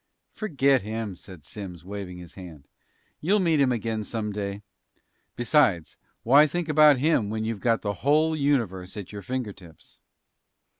"Forget him," said Simms, waving his hand. "You'll meet him again someday. Besides, why think about him, when you've got the whole universe at your finger tips?"